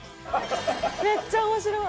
めっちゃ面白い！